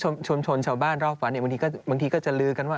หรือว่าชุมชนชาวบ้านรอบวัดบางทีก็จะลือกันว่า